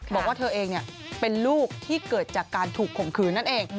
บอกว่าเธอเองเป็นลูกที่เกิดจากการถูกข่มขืนนั่นเอง